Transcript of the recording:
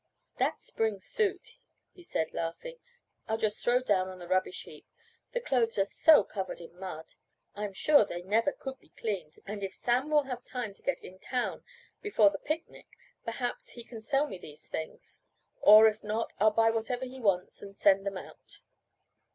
"That spring suit," he said laughing, "I'll just throw down on the rubbish heap. The clothes are so covered with mud, I am sure they never could be cleaned, and if Sam will have time to get in town before the picnic perhaps he can sell me these things. Or, if not, I'll buy whatever he wants and send them out."